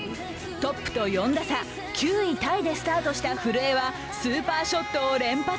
トップと４打差、９位タイでスタートした古江はスーパーショットを連発。